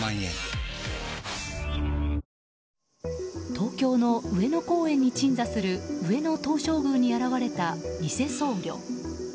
東京・上野公園に鎮座する上野東照宮に現れた偽僧侶。